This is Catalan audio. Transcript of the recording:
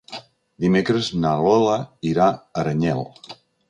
Dimecres na Lola irà a Aranyel.